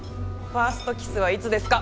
ファーストキスはいつですか？